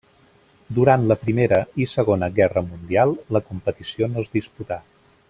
Durant la Primera i Segona Guerra Mundial la competició no es disputà.